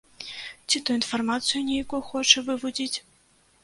Ці то інфармацыю нейкую хоча вывудзіць?